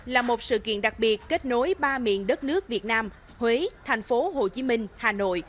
là một sự kiện đặc biệt kết nối ba miền đất nước việt nam huế thành phố hồ chí minh hà nội